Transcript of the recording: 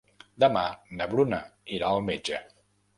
Demà na Bruna irà al metge.